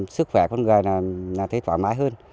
sức khỏe con người là thấy thoải mái hơn